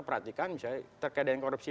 perhatikan misalnya terkait dengan korupsi